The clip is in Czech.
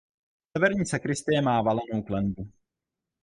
Severní sakristie má valenou klenbu.